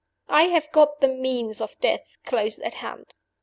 "I have got the means of death close at hand.